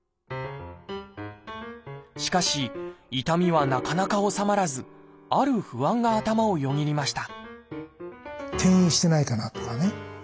しかし痛みはなかなか治まらずある不安が頭をよぎりました